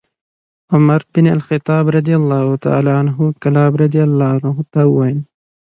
عمر بن الخطاب رضي الله عنه کلاب رضي الله عنه ته وویل: